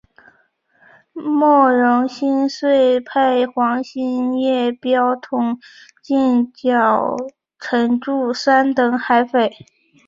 莫荣新遂派黄兴业标统进剿陈祝三等海匪。